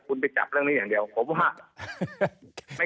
คุณไปจับเรื่องนี้อย่างเดียวผมว่า